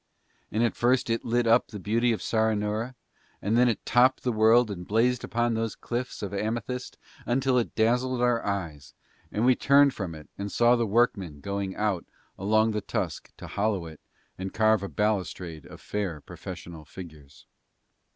And at first it lit up the beauty of Saranoora and then it topped the world and blazed upon those cliffs of amethyst until it dazzled our eyes, and we turned from it and saw the workman going out along the tusk to hollow it and to carve a balustrade of fair professional figures.